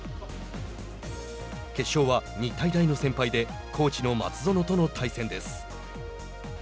決勝は日体大の先輩でコーチの松園との対戦です。